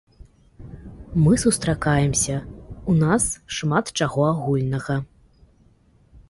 Мы сустракаемся, у нас шмат чаго агульнага.